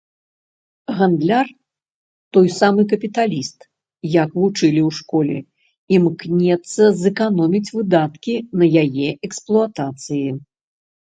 Гандляр, той самы капіталіст, як вучылі ў школе, імкнецца зэканоміць выдаткі на яе эксплуатацыі.